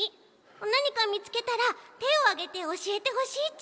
なにかみつけたらてをあげておしえてほしいち！